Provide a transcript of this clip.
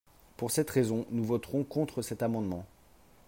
Pour cette raison, nous voterons contre cet amendement.